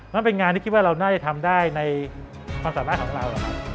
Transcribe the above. นั่นเป็นงานที่คิดว่าเราน่าจะทำได้ในความสามารถของเรา